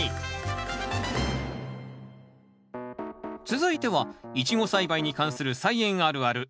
続いてはイチゴ栽培に関する「菜園あるある」。